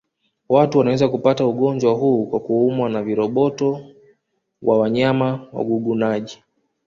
Watu wanaweza kupata ugonjwa huu kwa kuumwa na viroboto wa wanyama wagugunaji